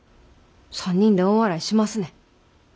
３人で大笑いしますね。